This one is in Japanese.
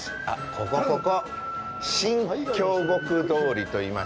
ここ、ここ。